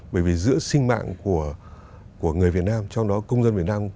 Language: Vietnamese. bởi vì giữa sinh mạng của người việt nam trong đó công dân việt nam